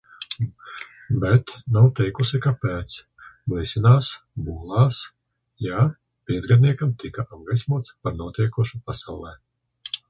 Bet nav teikusi kāpēc. Blisinās, bolās. Jā, piecgadniekam tika apgaismots par notiekošo pasaulē.